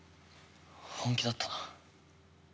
本気だったな。